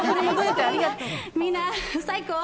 みんな最高！